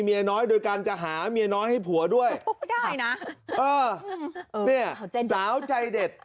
เมียน้อยโดยการจะหาเมียน้อยให้ผัวด้วยนะเออราวใจเด็ด